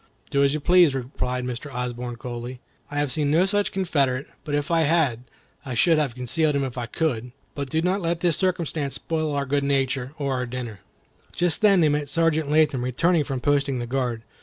"Do as you please," replied Mr. Osborne, coldly; "I have seen no such Confederate; but if I had, I should have concealed him if I could. But do not let this circumstance spoil our good nature, or our dinner." Just then they met Sergeant Latham returning from posting the guard.